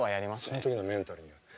その時のメンタルによって。